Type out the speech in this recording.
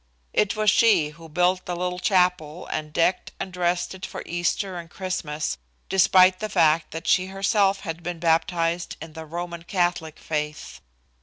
It was she who built the little chapel and decked and dressed it for Easter and Christmas, despite the fact that she herself had been baptized in the Roman Catholic faith.